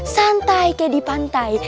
santai kayak di pantai